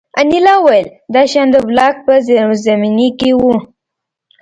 انیلا وویل دا شیان د بلاک په زیرزمینۍ کې وو